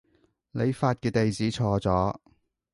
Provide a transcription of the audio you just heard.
你發嘅地址錯咗